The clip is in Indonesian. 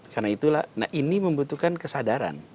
karena itulah nah ini membutuhkan kesadaran